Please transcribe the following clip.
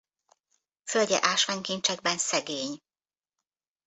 Földje ásványkincsekben szegény.